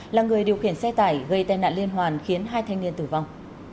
là người điều khiển xe tải gây tai nạn liên hoàn khiến hai thanh niên tử vong